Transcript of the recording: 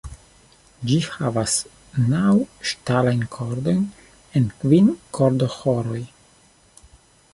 Ĝi havas naŭ ŝtalajn kordojn en kvin kordoĥoroj.